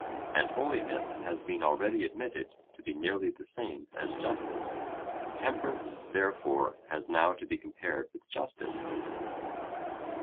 And holiness has been already admitted to be nearly the same as justice. Temperance, therefore, has now to be compared with justice.